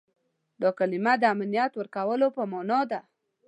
دا کلمه د امنیت ورکولو په معنا ده.